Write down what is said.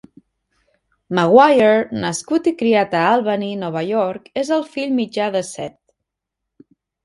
Maguire, nascut i criat a Albany, Nova York, és el fill mitjà de set.